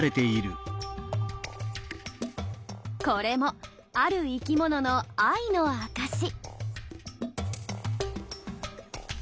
これもある生きものの愛の証し。